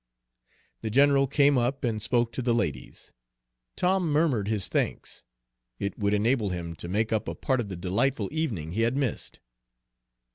The general came up and spoke to the ladies. Tom murmured his thanks; it would enable him to make up a part of the delightful evening he had missed.